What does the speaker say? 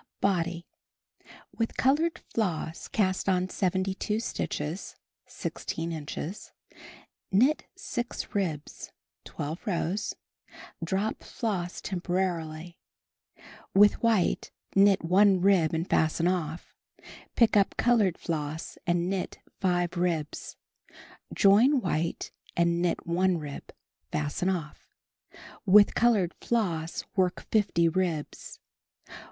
Body. With colored floss cast on 72 stitches (16 inches), knit 6 ribs (12 rows), drop floss temporarily; with white knit 1 rib and fasten off; pick up col ored floss and knit 5 ribs; join white and knit 1 rib, fasten off; with colored floss knit 50 ribs.